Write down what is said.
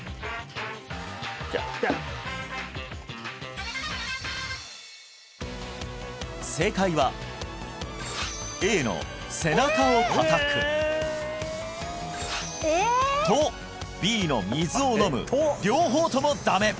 じゃあ正解はＡの「背中を叩く」とＢの「水を飲む」両方ともダメ！